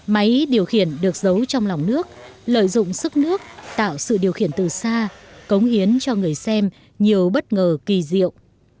máy điều khiển được giấu trong lòng nước lợi dụng sức nước tạo sự điều khiển từ xa cống hiến cho người xem nhiều bất ngờ kỳ diệu